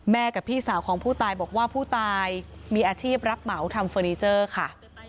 กับพี่สาวของผู้ตายบอกว่าผู้ตายมีอาชีพรับเหมาทำเฟอร์นิเจอร์ค่ะ